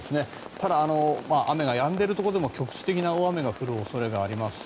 ただ、雨がやんでいるところでも局地的な大雨が降る恐れがあります。